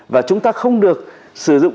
và chúng ta không được sử dụng